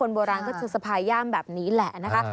โบราณก็จะสะพายย่ามแบบนี้แหละนะคะ